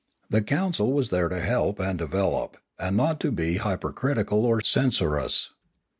The council was there to help and develop, and not to be hypercritical or censorious.